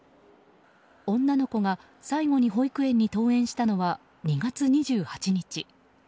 女の子が最後に保育園に登園したのは２月２８日。